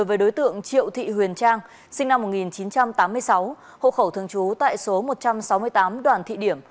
với đối tượng triệu thị huyền trang sinh năm một nghìn chín trăm tám mươi sáu hộ khẩu thường trú tại số một trăm sáu mươi tám đoàn thị điểm